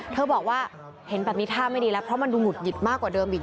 เธอบอกว่าเห็นแบบนี้ท่าไม่ดีแล้วเพราะมันดูหุดหงิดมากกว่าเดิมอีก